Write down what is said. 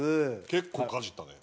結構かじったね。